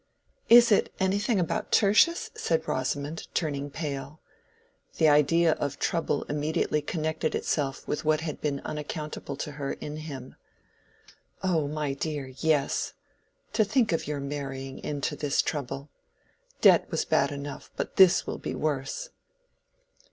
"Is it anything about Tertius?" said Rosamond, turning pale. The idea of trouble immediately connected itself with what had been unaccountable to her in him. "Oh, my dear, yes. To think of your marrying into this trouble. Debt was bad enough, but this will be worse."